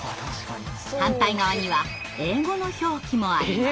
反対側には英語の表記もあります。